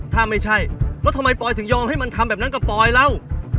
ถ้าไม่ใช่แล้วทำไมปอยถึงยอมให้มันทำแบบนั้นกับปอยเรา